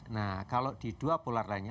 nah kalau di dua polar lainnya